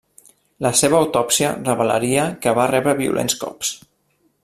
La seva autòpsia revelaria que va rebre violents cops.